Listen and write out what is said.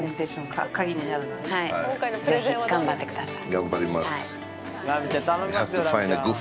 ぜひ頑張ってください。